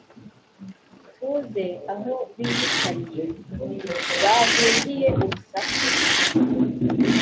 tuze aho biyicariye bahungiye urusaku.